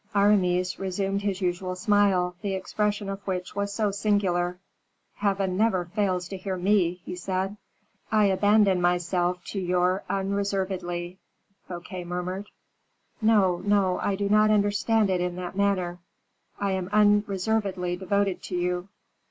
Aramis resumed his usual smile, the expression of which was so singular. "Heaven never fails to hear me," he said. "I abandon myself to you unreservedly," Fouquet murmured. "No, no; I do not understand it in that manner. I am unreservedly devoted to you.